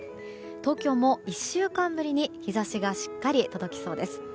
東京も１週間ぶりに日差しがしっかり届きそうです。